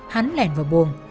hắn lèn vào buồn